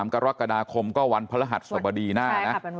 ๑๓กรกฎาคมก็วันพระหัทธ์สบดีหน้า